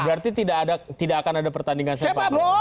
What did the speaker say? berarti tidak akan ada pertandingan sepak bola